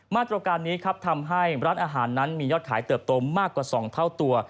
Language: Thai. มาตรการนี้ครับทำให้ร้านอาหารนั้นมียอดขายเติบโตมากกว่า๒เท่าตัว